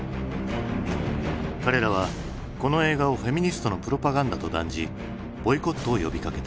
彼らはこの映画をフェミニストのプロパガンダと断じボイコットを呼びかけた。